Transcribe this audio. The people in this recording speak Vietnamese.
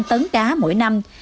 trăm tấn cá mỗi năm